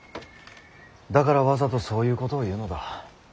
だからわざとそういうことを言うのだ。